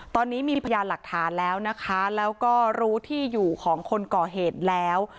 ตอนนี้มีพยานหลักฐานแล้วนะคะแล้วก็รู้ที่อยู่ของคนก่อเหตุแล้ว